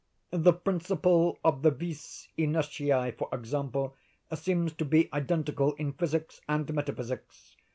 The principle of the vis inertiæ, for example, seems to be identical in physics and metaphysics.